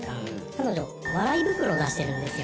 「彼女笑い袋出してるんですよ」